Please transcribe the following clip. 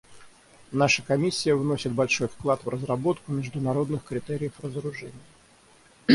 Наша Комиссия вносит большой вклад в разработку международных критериев разоружения.